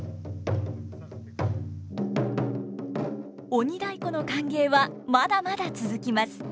鬼太鼓の歓迎はまだまだ続きます。